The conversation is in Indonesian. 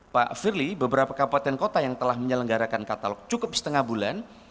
pak firly beberapa kabupaten kota yang telah menyelenggarakan katalog cukup setengah bulan